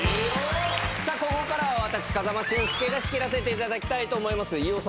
ここからは私風間俊介が仕切らせていただきます。